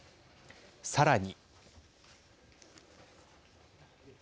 さらに。